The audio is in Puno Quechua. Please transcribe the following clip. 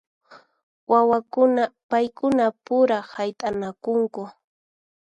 Wawakuna paykuna pura hayt'anakunku.